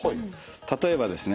例えばですね